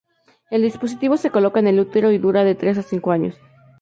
El dispositivo se coloca en el útero y dura de tres a cinco años.